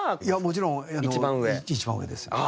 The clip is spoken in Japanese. いやもちろん一番上です。